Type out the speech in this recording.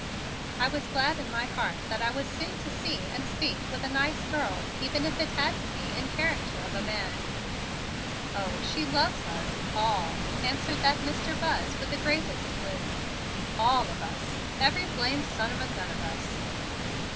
I was glad in my heart that I was soon to see and speak with a nice girl even if it had to be in character of a man. "Oh, she loves us all," answered that Mr. Buzz with the greatest gloom. "All of us every blamed son of a gun of us."